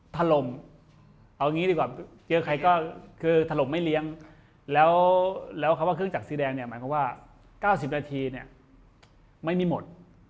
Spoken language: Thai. ทะลมเอาอย่างนี้ดีกว่าเครื่องจักรซีแดงหมายความว่า๙๐นาทีไม่มีหมด